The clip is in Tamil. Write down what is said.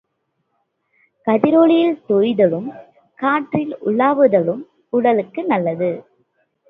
கதிரொளியில் தோய்தலும், காற்றில் உலாவுதலும் உடலுக்கு நல்லது.